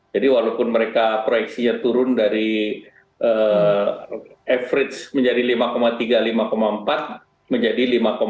jadi walaupun mereka proyeksinya turun dari average menjadi lima tiga lima empat menjadi lima